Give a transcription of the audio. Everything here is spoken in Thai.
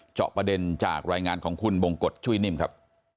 เจาะประเด็นจากรายงานของคุณบงกฎช่วยนิ่มครับ